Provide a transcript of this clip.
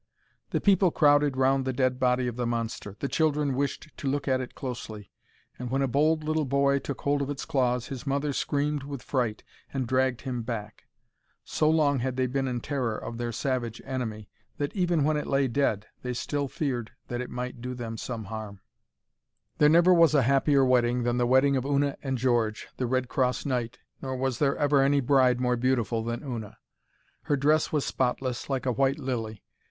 The people crowded round the dead body of the monster. The children wished to look at it closely, and when a bold little boy took hold of its claws, his mother screamed with fright, and dragged him back. So long had they been in terror of their savage enemy, that even when it lay dead they still feared that it might do them some harm. [Illustration: The dragon was dead (page 30)] There never was a happier wedding than the wedding of Una and George, the Red Cross Knight, nor was there ever any bride more beautiful than Una. Her dress was spotless, like a white lily.